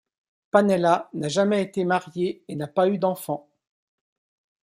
Pannella n'a jamais été marié et n'a pas eu d'enfant.